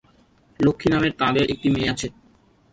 লক্ষ্মী নামের তাঁদের একটি মেয়ে আছে।